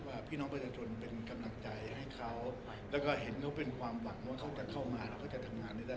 พี่น้องประชาชนเป็นกำลังใจให้เขาแล้วก็เห็นเขาเป็นความหวังว่าเขาจะเข้ามาเราก็จะทำงานไม่ได้